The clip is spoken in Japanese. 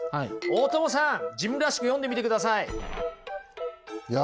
大友さん自分らしく読んでみてください。